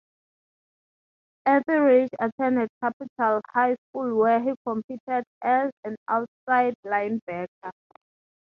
Etheridge attended Capital High School where he competed as an outside linebacker.